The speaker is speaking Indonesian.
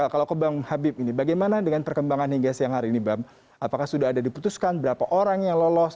kalau ke bang habib ini bagaimana dengan perkembangan hingga siang hari ini bang apakah sudah ada diputuskan berapa orang yang lolos